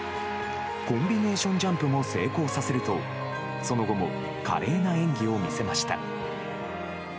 コンビネーションジャンプも成功させるとその後も華麗な演技を見せました。